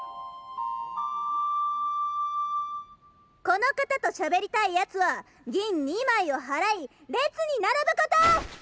この方と喋りたい奴は銀２枚を払い列に並ぶことォ！